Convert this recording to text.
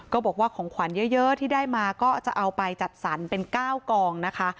บอกว่าของขวัญเยอะที่ได้มาก็จะเอาไปจัดสรรเป็น๙กองนะคะ